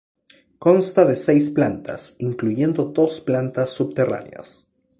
Consta de seis plantas, incluyendo dos plantas subterráneas.